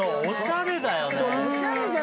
おしゃれだよね。